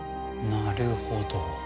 なるほど。